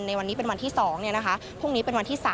ในวันนี้เป็นวันที่๒พรุ่งนี้เป็นวันที่๓